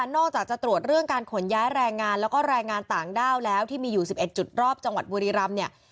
นอกจากจะตรวจเรื่องการขนย้ายแรงงานแล้วก็แรงงานต่างด้าวแล้วที่มีอยู่๑๑จุดรอบจังหวัดบุรีรำเนี่ย